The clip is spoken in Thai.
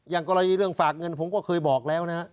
อย่างกรณีเรื่องฝากเงินผมก็เคยบอกแล้วนะครับ